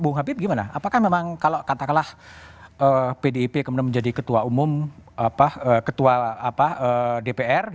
bung habib gimana apakah memang kalau katakanlah pdip kemudian menjadi ketua umum ketua dpr